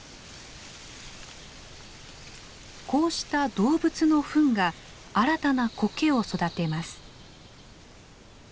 こうした動物のフンが新たなコケを育てます。